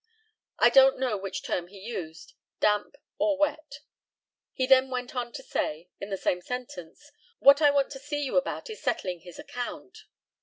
I don't know which term he used, "damp" or "wet." He then went on to say, in the same sentence, "What I want to see you about is settling his account."